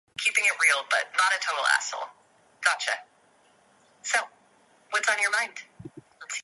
While at law school, Serra was a contributor to the "California Law Review".